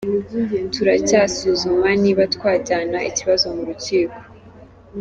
Turacyasuzuma niba twajyana ikibazo mu rukiko.”